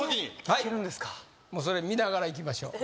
はいそれ見ながらいきましょう